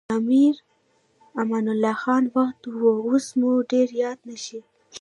د امیر امان الله خان وخت و اوس مو ډېر یاد نه شي.